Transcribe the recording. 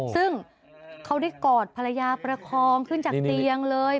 ซึ่งเขาได้กอดภรรยาประคองขึ้นจากเตียงเลย